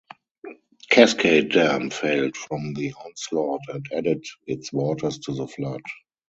Cascade Dam failed from the onslaught and added its waters to the flood.